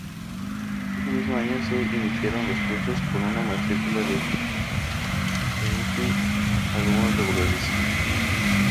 Ese mismo año se iniciaron los cursos, con una matrícula de veinte alumnos regulares.